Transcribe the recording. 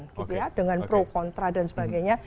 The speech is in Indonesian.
gitu ya dengan pro kontra dan sebagainya